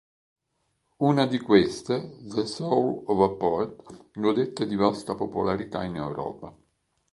Una di queste, The "Soul of a Poet", godette di vasta popolarità in Europa.